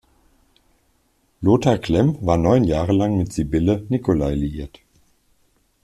Lothar Klemm war neun Jahre lang mit Sibylle Nicolai liiert.